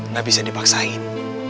gak bisa dipaksain